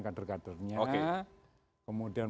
kader kadernya oke kemudian